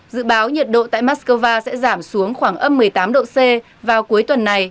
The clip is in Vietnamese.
dự báo nhiệt độ tại moscow sẽ giảm xuống khoảng âm một mươi tám độ c vào cuối tuần này